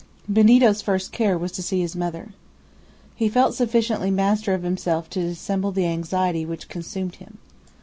Benito's first care was to see his mother. He felt sufficiently master of himself to dissemble the anxiety which consumed him.